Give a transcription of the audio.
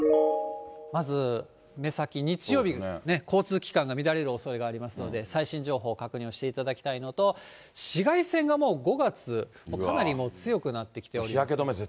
まず目先、日曜日、交通機関が乱れるおそれがありますので、最新情報を確認していただきたいのと、紫外線がもう５月、かなりもう強くなってきております。